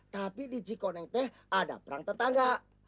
tapi di cikoneng teh ada perang tetangga